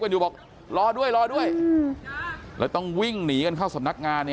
อยู่บอกรอด้วยรอด้วยแล้วต้องวิ่งหนีกันเข้าสำนักงาน